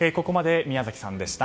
ここまで宮崎さんでした。